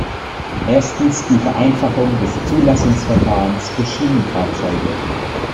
Erstens die Vereinfachung des Zulassungsverfahrens für Schienenfahrzeuge.